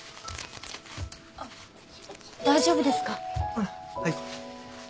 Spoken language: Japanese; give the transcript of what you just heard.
あっはい。